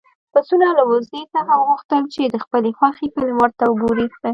پسونه له وزې څخه وغوښتل چې د خپلې خوښې فلم ورته وګوري.